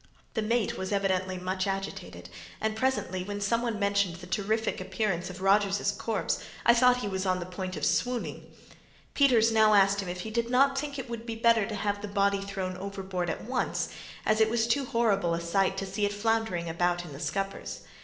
The mate was evidently much agitated, and presently, when some one mentioned the terrific appearance of Rogers' corpse, I thought he was upon the point of swooning. Peters now asked him if he did not think it would be better to have the body thrown overboard at once as it was too horrible a sight to see it floundering about in the scuppers.